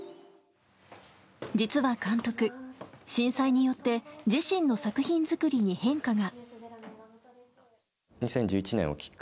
実は監督、震災によって自身の作品作りに変化が。